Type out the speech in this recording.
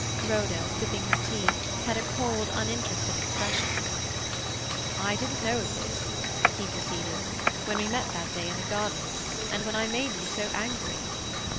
Rhoda, sipping her tea, had a cold, uninterested expression. "I didn't know of this," he proceeded, "when we met that day in the gardens, and when I made you so angry."